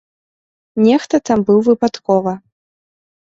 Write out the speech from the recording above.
Нехта там быў выпадкова.